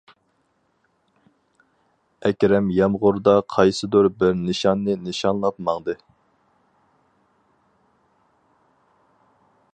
ئەكرەم يامغۇردا قايسىدۇر بىر نىشاننى نىشانلاپ ماڭدى.